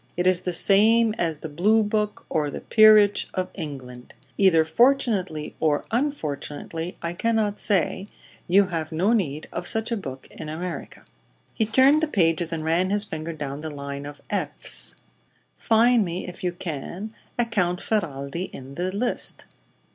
It is the same as the 'Blue Book' or the 'Peerage' of England. Either fortunately or unfortunately I cannot say you have no need of such a book in America." He turned the pages and ran his finger down the line of "Fs." "Find me, if you can, a Count Ferralti in the list."